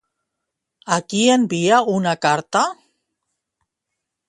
A qui envia una carta?